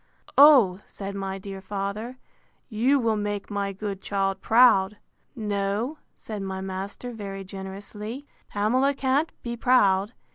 O! said my dear father, you will make my good child proud. No, said my master very generously, Pamela can't be proud.